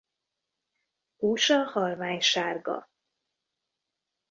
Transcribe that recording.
Húsa halványsárga.